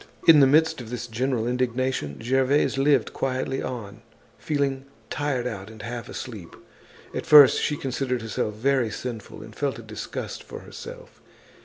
In the midst of this general indignation, Gervaise lived quietly on, feeling tired out and half asleep. At first she considered herself very sinful and felt a disgust for herself.